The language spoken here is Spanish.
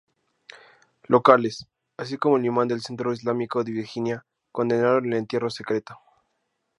Locales, así como el imán del Centro Islámico de Virginia condenaron el entierro secreto.